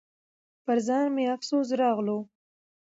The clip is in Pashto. پر ځان مې افسوس راغلو .